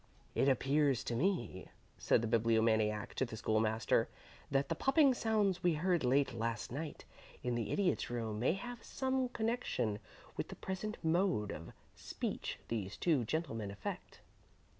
"It appears to me," said the Bibliomaniac to the School master, "that the popping sounds we heard late last night in the Idiot's room may have some connection with the present mode of speech these two gentlemen affect."